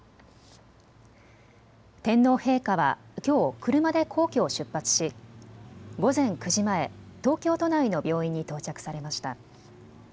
天皇陛下は、きょう車で皇居を出発し午前９時前、東京都内の病院に到着されました。